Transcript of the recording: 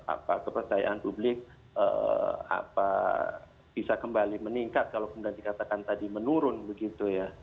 apa kepercayaan publik bisa kembali meningkat kalau kemudian dikatakan tadi menurun begitu ya